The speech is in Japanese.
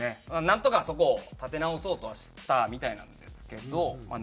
なんとかそこを立て直そうとはしたみたいなんですけどまあ